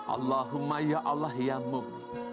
allahumma ya allah ya mughni